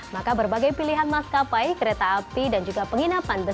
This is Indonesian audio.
maka berbagai pilihan maskapai kereta api dan juga penginapan besar